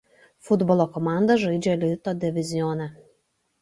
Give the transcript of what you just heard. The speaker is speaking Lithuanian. Futbolo komanda žaidžia elito divizione.